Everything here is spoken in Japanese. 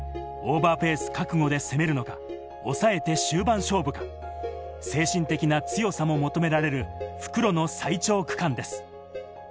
オーバーペース覚悟で攻めるのか、抑えて終盤勝負か、精神的な強さも求められる復路の最長区間です。